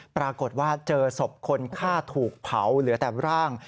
ปรากฏว่าเจอศพคนฆ่าถูกเผาเหลือแต่ร่าง